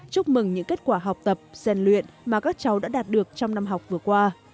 chúc mừng những kết quả học tập rèn luyện mà các cháu đã đạt được trong năm học vừa qua